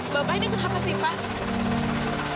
bapak ini kenapa sih pak